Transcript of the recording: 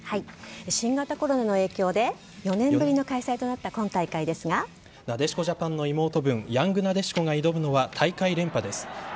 新型コロナの影響で４年ぶりの開催となったなでしこジャパンの妹分ヤングなでしこが挑むのは大会連覇です。